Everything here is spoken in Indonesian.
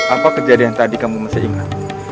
apa kejadian tadi kamu masih ingat